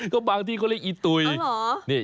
ก็บางที่เขาเรียกอิตุ๋ยอ๋อเหรอ